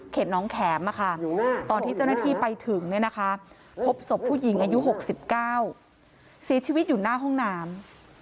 น้องแข็มตอนที่เจ้าหน้าที่ไปถึงพบศพผู้หญิงอายุ๖๙เสียชีวิตอยู่หน้าห้องน้ำ